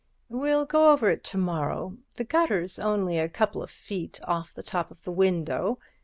"We'll go over it to morrow. The gutter's only a couple of feet off the top of the window.